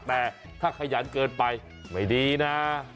แต่ถ้าขยันเกินไปไม่ดีนะ